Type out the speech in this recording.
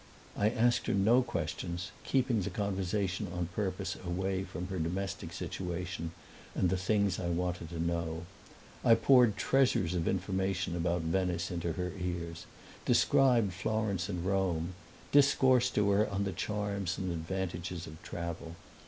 I asked her no questions, keeping the conversation on purpose away from her domestic situation and the things I wanted to know; I poured treasures of information about Venice into her ears, described Florence and Rome, discoursed to her on the charms and advantages of travel.